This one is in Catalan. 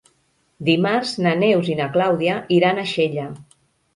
Dimarts na Neus i na Clàudia iran a Xella.